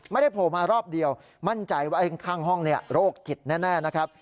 โผล่มารอบเดียวมั่นใจว่าข้างห้องโรคจิตแน่นะครับ